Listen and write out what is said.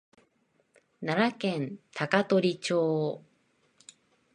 奈良県高取町